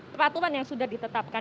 peraturan yang sudah ditetapkan